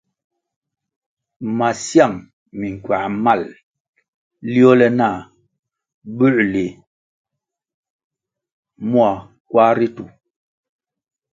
Masiang minkuãh mal liole nah buęrli ma kwar ritu.